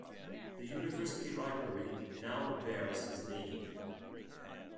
The university library now bears his name.